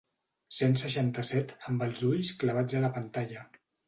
Cent seixanta-set amb els ulls clavats a la pantalla.